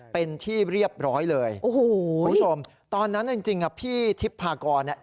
เป็นที่เรียบร้อยเลยคุณผู้ชมตอนนั้นจริงพี่ทิพพากรเนี่ย